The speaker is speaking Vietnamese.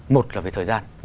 một là về thời gian